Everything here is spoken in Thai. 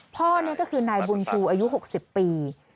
พ่อนี่ก็คือนายบุญชูอายุ๖๐ปี